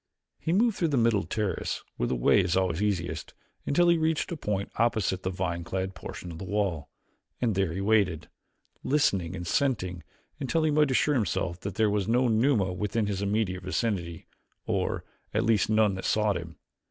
He moved through the middle terrace, where the way is always easiest, until he reached a point opposite the vine clad portion of the wall, and there he waited, listening and scenting, until he might assure himself that there was no Numa within his immediate vicinity, or, at least, none that sought him.